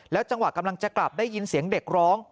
จังหวะกำลังจะกลับได้ยินเสียงเด็กร้อง